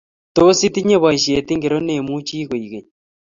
Tos, itinye boishet ngiro nemuch koek keny?